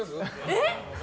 えっ？